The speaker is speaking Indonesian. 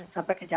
sampai ke jepang